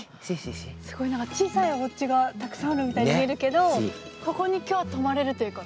すごい何か小さいおうちがたくさんあるみたいに見えるけどここに今日泊まれるということ？